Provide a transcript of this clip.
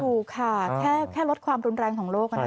ถูกค่ะแค่ลดความรุนแรงของโลก